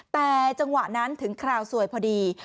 แต่จังหวะนั้นถึงคราวสวยพอดี